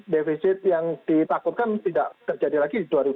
defisit yang ditakutkan tidak terjadi lagi di dua ribu dua puluh